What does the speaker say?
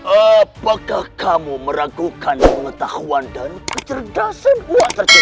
apakah kamu meragukan pengetahuan dan kecerdasan buah tercinta